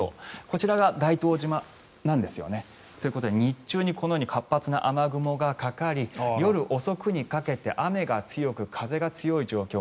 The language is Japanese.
こちらが大東島なんですよね。ということで日中にこのように活発な雨雲がかかり夜遅くにかけて雨が強く、風が強い状況。